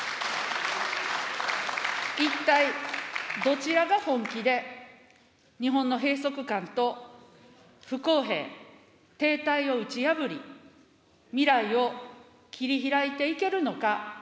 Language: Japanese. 一体どちらが本気で日本の閉塞感と不公平、停滞を打ち破り、未来を切り開いていけるのか。